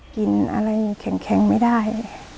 กินอะไรแข็งไม่ได้